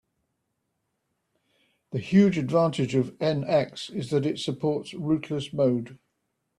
The huge advantage of NX is that it supports "rootless" mode.